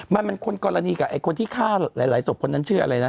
มันคนกรณีกับไอ้คนที่ฆ่าหลายศพคนนั้นชื่ออะไรนะ